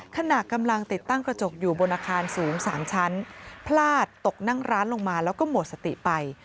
ขณะกำลังติดตั้งกระจกอยู่บนอาคารสูง๓ชั้นพลาดตกนั่งร้านลงมาแล้วก็หมดสติไป